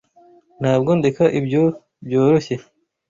Ntabwo ndeka ibyo byoroshye.